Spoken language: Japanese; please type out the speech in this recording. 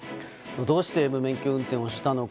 どうして無免許運転をしたのか。